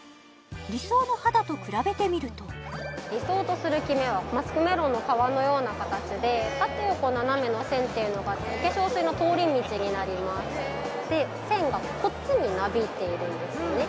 理想の肌と比べてみると理想とするキメはマスクメロンの皮のような形で縦横斜めの線っていうのがお化粧水の通り道になりますで線がこっちになびいているんですね